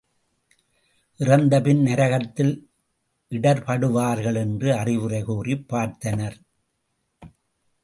இறந்த பின் நரகத்தில் இடர்ப்படுவார்கள் என்று அறிவுரை கூறிப் பார்த்தனர்.